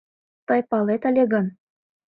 «Тый палет ыле гын